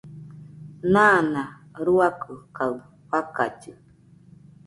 Nana ruakɨ kaɨ fakallɨ